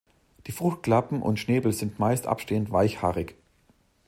Die Fruchtklappen und Schnäbel sind meist abstehend-weichhaarig.